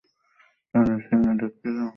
তাহলে শিন্নি খেতে দাও আগে।